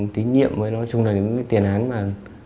tín nhiệm với nói chung là những tiền án mà